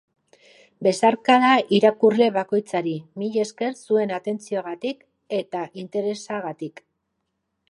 Besarkada irakurle bakoitzari, milesker zuen atentziogatik eta interesagatik.